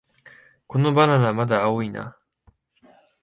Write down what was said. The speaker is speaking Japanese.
このバナナ、まだ青いな